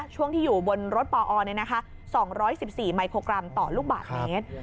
ช่วงที่อยู่บนรถปอ๒๑๔ไมโครกรัมต่อลูกบาทเมตร